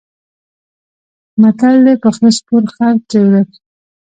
متل دی: په خره سپور خر ترې ورک.